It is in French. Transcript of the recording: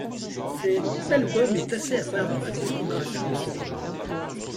Cet album est assez à part dans la discographie de Sodom.